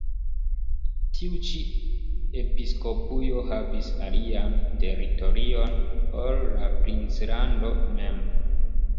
Tiu ĉi episkopujo havis alian teritorion ol la princlando mem.